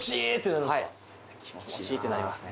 気持ちいいってなりますね